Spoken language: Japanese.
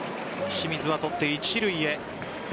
清水が捕って一塁へ。